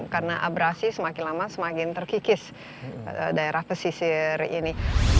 karena abrasi semakin lama semakin terkikis daerah pesisir ini